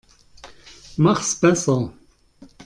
Mach's besser.